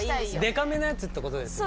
でかめのやつって事ですよね。